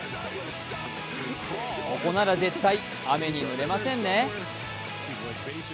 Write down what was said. ここなら絶対、雨にぬれませんね。